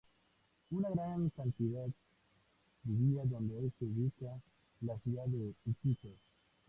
Una gran cantidad vivía donde hoy se ubica la ciudad de Iquitos.